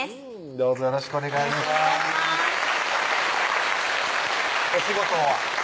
どうぞよろしくお願いしますお仕事は？